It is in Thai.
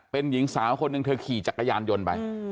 เป็นหญิงสาวคนหนึ่งเธอขี่จักรยานยนต์ไป